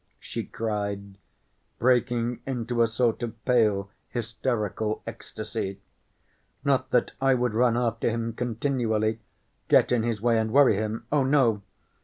she cried, breaking into a sort of pale, hysterical ecstasy. "Not that I would run after him continually, get in his way and worry him. Oh, no!